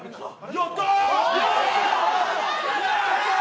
やったー！